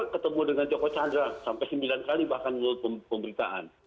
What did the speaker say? ketemu dengan joko chandra sampai sembilan kali bahkan menurut pemberitaan